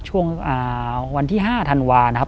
ช่วงวันที่๕ธันวานะครับ